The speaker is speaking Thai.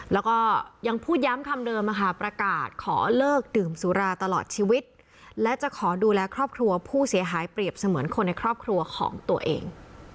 แล้วก็ยังพูดย้ำคำเดิมประกาศขอเลิกดื่มสุราตลอดชีวิตและจะขอดูแลครอบครัวผู้เสียหายเปรียบเสมือนคนในครอบครัวของตัวเอง